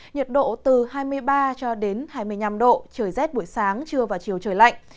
nhiệt độ từ hai mươi ba cho đến hai mươi năm độ trời rét buổi sáng trưa và chiều trời lạnh